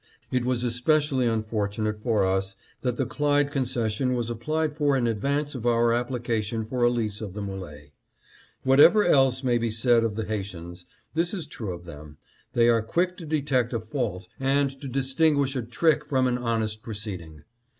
It was especially unfortunate for us that the Clyde concession was applied for in advance of our application for a lease of the Mdle. Whatever else may be said of the Haitians, this is true of them : they are quick to detect a fault and to distinguish a trick from an honest proceeding.